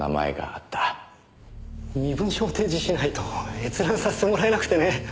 身分証を提示しないと閲覧させてもらえなくてね。